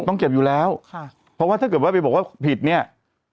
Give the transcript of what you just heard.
ต้องเก็บอยู่แล้วค่ะเพราะว่าถ้าเกิดว่าไปบอกว่าผิดเนี่ย